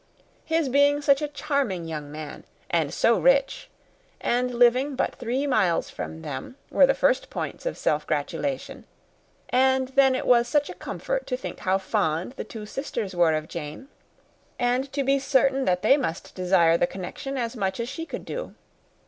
His being such a charming young man, and so rich, and living but three miles from them, were the first points of self gratulation; and then it was such a comfort to think how fond the two sisters were of Jane, and to be certain that they must desire the connection as much as she could do.